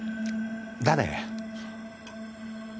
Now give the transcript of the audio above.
誰？